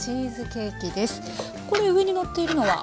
これ上にのっているのは？